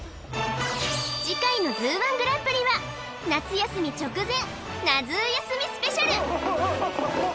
次回の「ＺＯＯ−１グランプリ」は夏休み直前夏ＺＯＯ休みＳＰ！